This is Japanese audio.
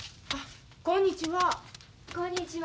こんにちは。